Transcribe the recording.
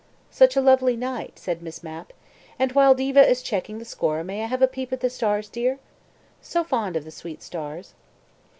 "Such a lovely night," said Miss Mapp. "And while Diva is checking the score may I have a peep at the stars, dear? So fond of the sweet stars."